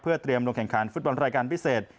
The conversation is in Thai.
เตรียมลงแข่งขันฟุตบอลรายการพิเศษ